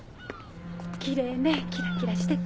きれいねキラキラしてて。